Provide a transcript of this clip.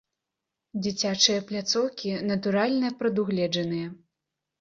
Дзіцячыя пляцоўкі, натуральна, прадугледжаныя.